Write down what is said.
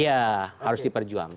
iya harus diperjuangkan